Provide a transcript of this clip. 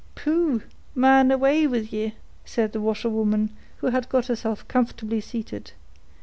"Pooh! man, away wid ye," said the washerwoman, who had got herself comfortably seated.